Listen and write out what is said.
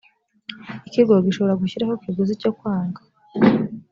ikigo gishobora gushyiraho ikiguzi cyo kwanga